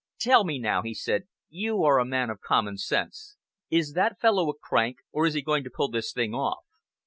"Tell me now," he said; "you are a man of common sense. Is that fellow a crank, or is he going to pull this thing off?"